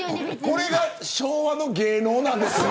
これが昭和の芸能なんです。